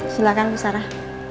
silahkan bu sarah